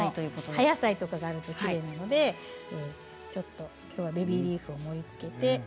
葉野菜があるときれいなので、きょうはベビーリーフを盛りつけて。